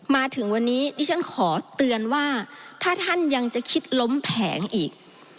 มาถึงวันนี้ดิฉันขอเตือนว่าถ้าท่านยังจะคิดล้มแผงอีก